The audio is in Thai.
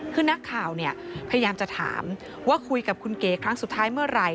คือนักข่าวเนี่ยพยายามจะถามว่าคุยกับคุณเก๋ครั้งสุดท้ายเมื่อไหร่